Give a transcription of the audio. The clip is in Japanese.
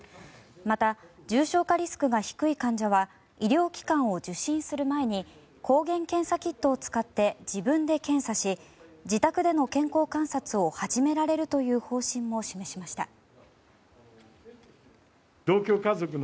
また、重症化リスクが低い患者は医療機関を受診する前に抗原検査キットを使って自分で検査し自宅での健康観察を始められるという方針も示しました。